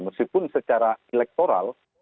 meskipun secara elektoral